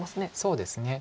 そうですね。